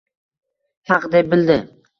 Haq deb bildi